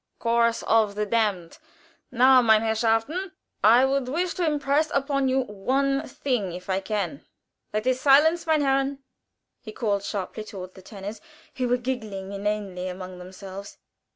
'Chorus of the Damned,' Now, meine Herrschaften, I would wish to impress upon you one thing, if I can, that is Silence, meine Herren!" he called sharply toward the tenors, who were giggling inanely among themselves.